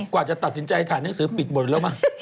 กว่าจะตัดสินใจถ่ายหนังสือปิดหมดแล้วมั้ง